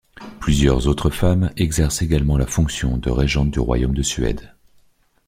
Plusieurs autres femmes exercent également la fonction de régente du royaume de Suède.